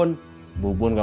tidak ada apa apa